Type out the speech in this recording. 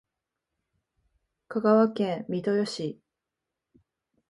香川県三豊市